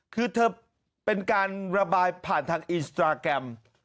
คือเธอเป็นการระบายผ่านทางอินสตราแกรม